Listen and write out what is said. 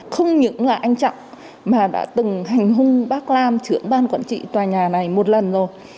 không những là anh trọng mà đã từng hành hung bác lam trưởng ban quản trị tòa nhà này một lần rồi